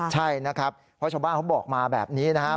ใช่นะครับเพราะชาวบ้านเขาบอกมาแบบนี้นะครับ